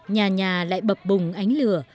nhà nhà lại bập bùng ánh lửa